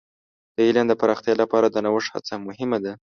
د علم د پراختیا لپاره د نوښت هڅه مهمه ده.